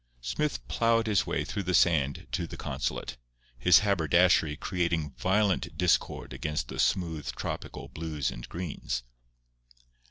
Smith plowed his way through the sand to the consulate, his haberdashery creating violent discord against the smooth tropical blues and greens.